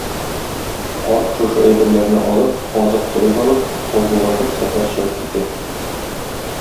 Карт шушы әйберләрне алып, азык-төлек алып, саубуллашып сәфәр чыгып китә.